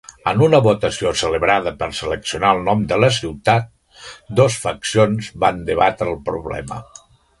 En una votació celebrada per seleccionar el nom de la ciutat, dos faccions van debatre el problema.